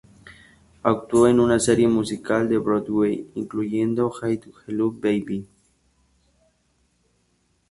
Actuó en una serie musical de Broadway, incluyendo "Hallelujah, Baby!